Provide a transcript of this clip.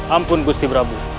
ampun gusti prabu